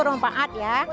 itu mempaat ya